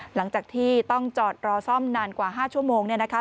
หลังจากที่ต้องจอดรอซ่อมนานกว่า๕ชั่วโมงเนี่ยนะคะ